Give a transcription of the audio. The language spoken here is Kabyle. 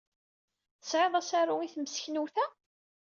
Tesɛid asaru i temseknewt-a?